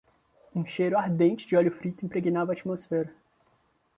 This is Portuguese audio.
Um cheiro ardente de óleo frito impregnava a atmosfera.